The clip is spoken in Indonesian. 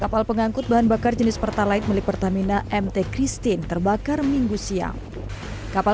kapal pengangkut bahan bakar jenis pertalite milik pertamina mt christine terbakar minggu siang kapal